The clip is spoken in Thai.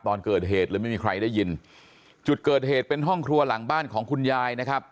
ตอนเกิดเหตุเลยไม่มีใครได้ยินจุดเกิดเหตุเป็นห้องครัวหลังบ้านของคุณยายนะครับ